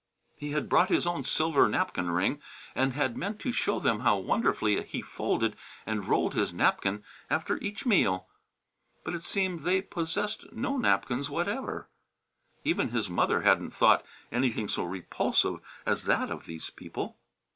He had brought his own silver napkin ring and had meant to show them how wonderfully he folded and rolled his napkin after each meal. But it seemed they possessed no napkins whatever. Even his mother hadn't thought anything so repulsive as that of these people.